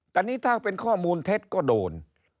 แต่นี่ถ้าเป็นข้อมูลเท็จก็โดน